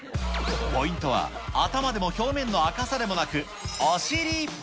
ポイントは、頭でも表面の赤さでもなく、お尻。